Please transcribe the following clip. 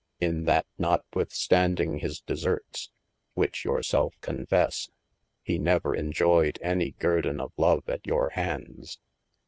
In that notwithstanding his desertes (which your selfe confesse) he never enjoyed any guerdone of love at your handes.